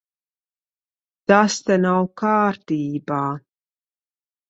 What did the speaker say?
Tas te nav kārtībā.